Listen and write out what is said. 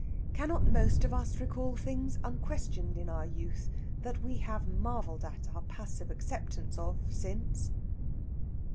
Cannot most of us recall things unquestioned in our youth that we have marvelled at our passive acceptance of since?